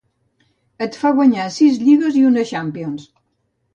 Et fa guanyar sis lligues i una Champions.